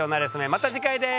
また次回です。